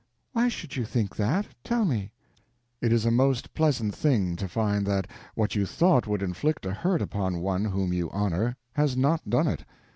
Why should you think that? Tell me." It is a most pleasant thing to find that what you thought would inflict a hurt upon one whom you honor, has not done it.